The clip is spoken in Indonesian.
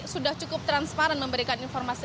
sudah cukup transparan memberikan informasi